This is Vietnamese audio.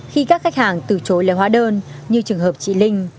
khi các khách hàng từ chối lấy hóa đơn như trường hợp chị linh